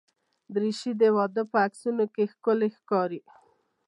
دریشي د واده په عکسونو کې ښکلي ښکاري.